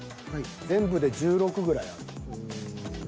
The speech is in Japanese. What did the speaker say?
全部で１６ぐらいある。